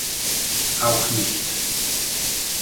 Auch nicht.